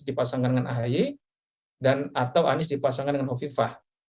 dipasangkan dengan ahy atau anies dipasangkan dengan kofifa